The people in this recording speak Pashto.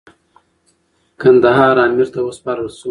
کندهار امیر ته وسپارل سو.